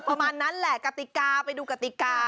ประมาณนั้นแหละกติกาไปดูกติกา